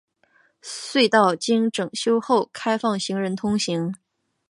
隧道经整修后开放行人通行。